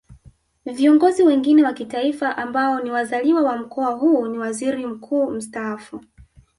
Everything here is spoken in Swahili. Viongozi wengine wa Kitaifa ambao ni wazaliwa wa Mkoa huu ni Waziri Mkuu Mstaafu